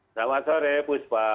selamat sore puspa